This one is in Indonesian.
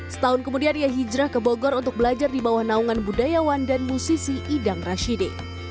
setahun kemudian ia hijrah ke bogor untuk belajar di bawah naungan budayawan dan musisi idang rashidi